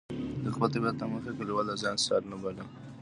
د خپل طبیعت له مخې یې کلیوال د ځان سیال نه باله.